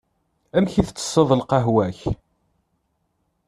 Amek i tsesseḍ lqahwa-k?